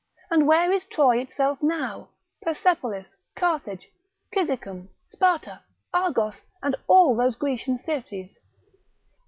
And where is Troy itself now, Persepolis, Carthage, Cizicum, Sparta, Argos, and all those Grecian cities?